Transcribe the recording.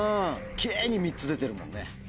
きれいに３つ出てるもんね。